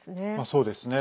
そうですね。